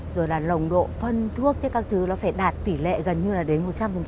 rồi là lồng độ phân thuốc các thứ nó phải đạt tỷ lệ gần như là đến một trăm linh